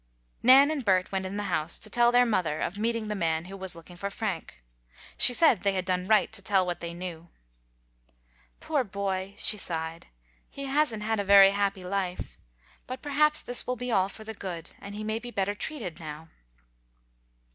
Nan and Bert went in the house to tell their mother of meeting the man who was looking for Frank. She said they had done right to tell what they knew. "Poor boy," she sighed, "he hasn't had a very happy life, but perhaps this will be all for the good, and he may be better treated now."